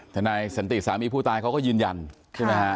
นายสันติสามีผู้ตายเขาก็ยืนยันใช่ไหมฮะ